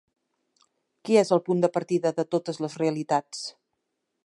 Qui és el punt de partida de totes les realitats?